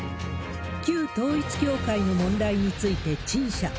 旧統一教会の問題について陳謝。